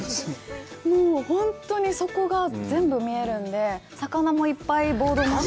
もう本当に底が全部見えるんで、魚もいっぱいボードの下にいて。